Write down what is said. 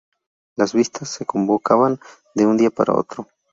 Las vistas se convocaban de un día para otro.